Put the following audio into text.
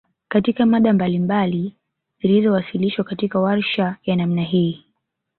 Katika mada mbalibali zilizowasilishwa katika warsha ya namna hii